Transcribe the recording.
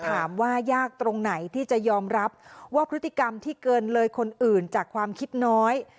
ถามว่ายากตรงไหนที่จะยอมรับว่าพฤติกรรมที่เกินเลยคนอื่นจากความคิดน้อย